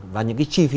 và những cái chi phí